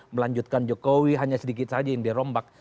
melanjutkan jokowi hanya sedikit saja yang dirombak